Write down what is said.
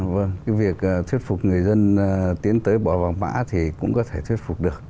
vâng cái việc thuyết phục người dân tiến tới bỏ vàng mã thì cũng có thể thuyết phục được